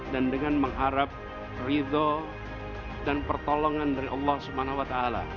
dan dengan mengharap rizal dan pertolongan dari allah swt